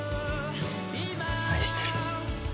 愛してる。